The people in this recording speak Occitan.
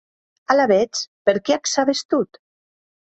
Alavetz, per qué ac sabetz tot?